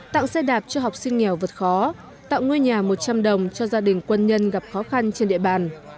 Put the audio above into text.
tặng xe đạp cho học sinh nghèo vượt khó tặng ngôi nhà một trăm linh đồng cho gia đình quân nhân gặp khó khăn trên địa bàn